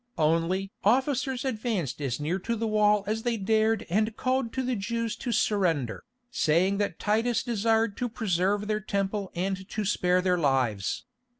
Only officers advanced as near to the wall as they dared and called to the Jews to surrender, saying that Titus desired to preserve their Temple and to spare their lives.